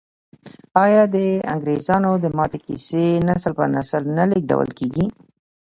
آیا د انګریزامو د ماتې کیسې نسل په نسل نه لیږدول کیږي؟